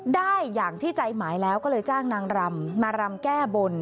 ได้อย่างที่ใจหมายแล้วก็เลยจ้างนางรำมารำแก้บน